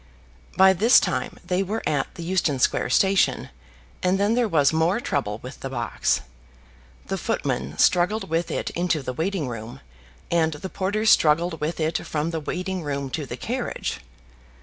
By this time they were at the Euston Square station, and then there was more trouble with the box. The footman struggled with it into the waiting room, and the porter struggled with it from the waiting room to the carriage.